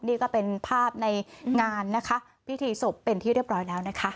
นี่ก็เป็นภาพในงานนะคะพิธีศพเป็นที่เรียบร้อยแล้วนะคะ